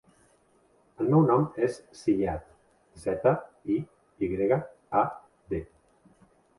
El meu nom és Ziyad: zeta, i, i grega, a, de.